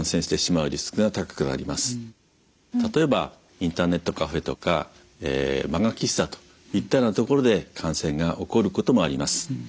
例えばインターネットカフェとか漫画喫茶といったような所で感染が起こることもあります。